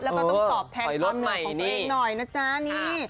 แล้วก็ต้องกล่อบแทนความเหนื่อยของตัวเองหน่อย